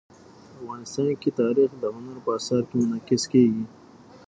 افغانستان کې تاریخ د هنر په اثار کې منعکس کېږي.